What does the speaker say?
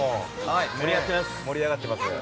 盛り上がってます。